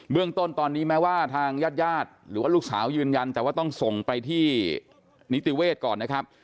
เรื่องต้นตอนนี้แม้ว่าทางญาติญาติหรือว่าลูกสาวยืนยันแต่ว่าต้องส่งไปที่นิติเวศก่อนนะครับ